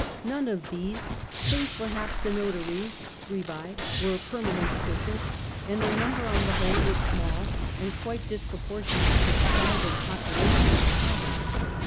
None of these, save perhaps the notaries (scribas), were permanent officials, and their number on the whole was small, and quite dispropor tionate to the size and population of the province.